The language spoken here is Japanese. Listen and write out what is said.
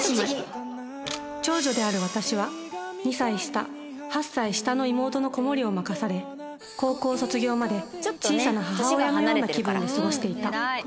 長女である私は２歳下８歳下の妹の子守りを任され高校卒業まで小さな母親のような気分で過ごしていた